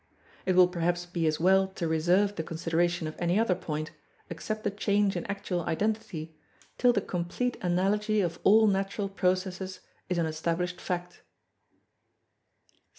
It will perhaps be as well to reserve the consideration of any other point, except the change in actual identity, till the complete analogy of all natural processes is an established fact.